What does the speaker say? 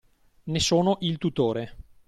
Ne sono il tutore.